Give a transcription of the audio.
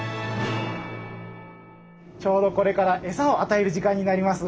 ちょうどこれからエサをあたえる時間になります。